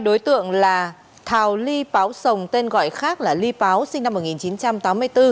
hai đối tượng là thảo ly páo sồng tên gọi khác là ly páo sinh năm một nghìn chín trăm tám mươi bốn